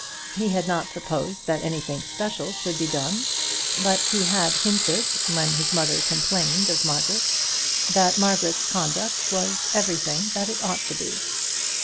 He had not proposed that anything special should be done; but he had hinted, when his mother complained of Margaret, that Margaret's conduct was everything that it ought to be.